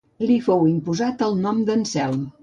Li fou imposat el nom d'Anselm.